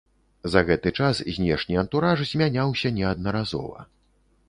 За гэты час знешні антураж змяняўся неаднаразова.